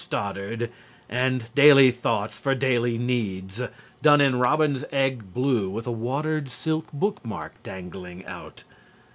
Stoddard" and "Daily Thoughts for Daily Needs," done in robin's egg blue with a watered silk bookmark dangling out.